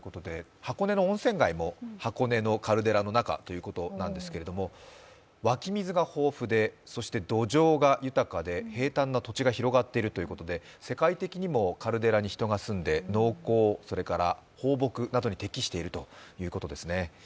箱根の温泉街も箱根のカルデラの中ということなんですが湧き水が豊富で、土壌が豊かで平坦な土地が広がっているということで、世界的にもカルデラに人が住んで農耕、それから放牧などに適しているということですね。